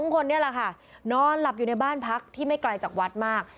๒คนนี้แหละค่ะนอนหลับอยู่ในบ้านพักที่ไม่ไกลจากวัดมาก